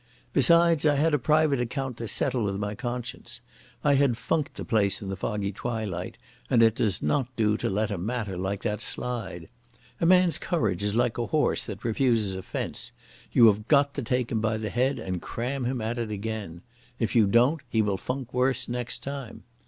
Besides I had a private account to settle with my conscience. I had funked the place in the foggy twilight, and it does not do to let a matter like that slide. A man's courage is like a horse that refuses a fence; you have got to take him by the head and cram him at it again. If you don't, he will funk worse next time.